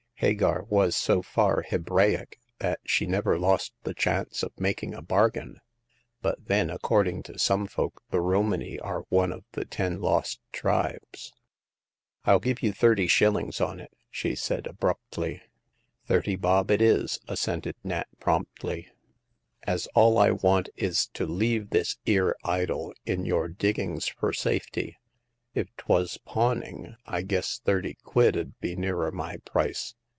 Hagar was so far Hebraic that she never lost the chance of making a bargain ; but then, according to some folk, the Romany are one of the ten lost tribes. rU give you thirty shillings on it," she said, abruptly. Thirty bob it is," assented Nat, promptly," as all I want is to leave this 'ere idol in your dig gings fur safety. If 'twas pawning, I guess thirty quid 'ud be nearer my price.